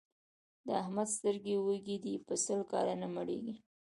د احمد سترګې وږې دي؛ په سل کاله نه مړېږي.